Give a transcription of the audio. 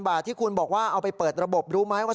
บาทที่คุณบอกว่าเอาไปเปิดระบบรู้ไหมว่า